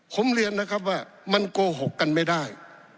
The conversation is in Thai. ผมเรียนนะครับว่ามันโกหกกันไม่ได้